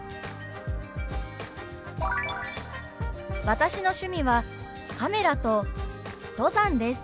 「私の趣味はカメラと登山です」。